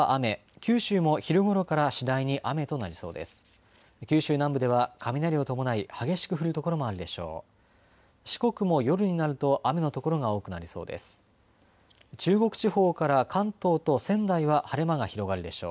九州南部では雷を伴い激しく降る所もあるでしょう。